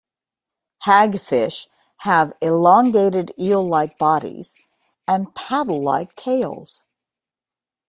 Hagfish have elongated, eel-like bodies, and paddle-like tails.